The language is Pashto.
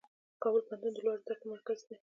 کابل پوهنتون د لوړو زده کړو مرکز دی.